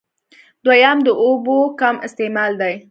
دويم د اوبو کم استعمال دی